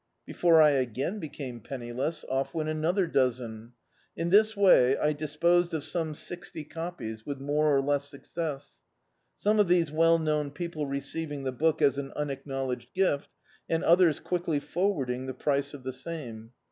Before Z again became penniless, off went another dozen. In this way I disposed of swnc sixty copies, with more or less success; some of these well known people receiving the book as an unacknowledged gift, and others quickly for warding the price of the same.